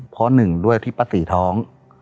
เพราะหนึ่งด้วยที่ป้าตีท้อง